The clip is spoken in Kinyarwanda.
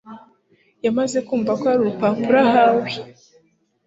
yamaz kumva ko ari urupapuro ahawe,